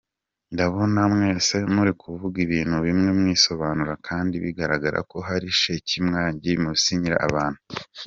Ndabona mwese muri kuvuga ibintu bimwe mwisobanura kdi bigaragarako hari sheki mwagiye musinyira abantu.